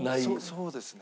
そうですね。